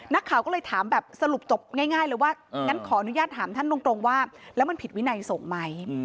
นักข่าวก็เลยถามแบบสรุปจบง่ายเลยว่างั้นขออนุญาตถามท่านตรงว่าแล้วมันผิดวินัยสงฆ์ไหม